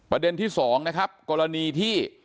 เรียนที่สองนะครับกรณีที่